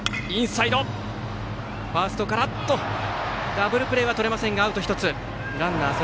ダブルプレーはとれませんが、アウト１つ。